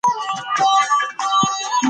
ایا زموږ لپاره د ناستې وخت تېر شوی دی؟